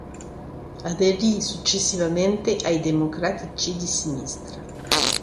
Aderì successivamente ai Democratici di Sinistra.